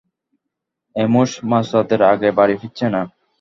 Amos মাঝরাতের আগে বাড়ি ফিরছে না।